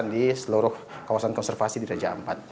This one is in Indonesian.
di seluruh kawasan konservasi di raja ampat